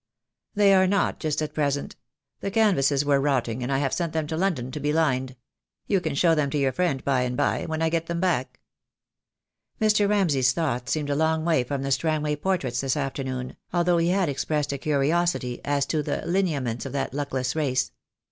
"They are not just at present. The canvases were rotting, and I have sent them to London to be lined. You can show them to your friend by and by, when I get them back." Mr. Ramsay's thoughts seemed a long way from the Strangway portraits this afternoon, although he had ex pressed a curiosity as to the lineaments of that luckless race.